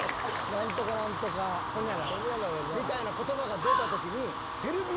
何とか何とかホニャララみたいな言葉が出た時に。